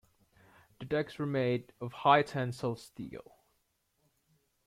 The decks were made of high-tensile steel.